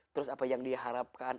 terus apa yang diharapkan